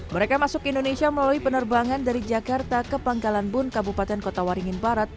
mereka masuk ke indonesia melalui penerbangan dari jakarta ke pangkalan bun kabupaten kota waringin barat